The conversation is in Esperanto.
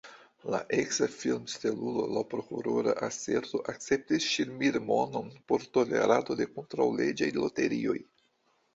La eksa filmstelulo laŭ prokurora aserto akceptis ŝmirmonon por tolerado de kontraŭleĝaj loterioj.